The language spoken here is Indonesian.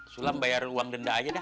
sulam bayar uang denda aja deh